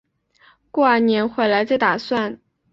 过完年回来再打算